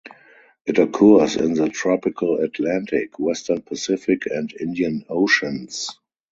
It occurs in the tropical Atlantic, western Pacific and Indian Oceans.